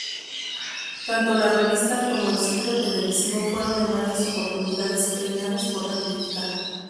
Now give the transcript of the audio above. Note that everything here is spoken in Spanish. Tanto la revista, como el ciclo televisivo fueros en varias oportunidades premiados por la crítica.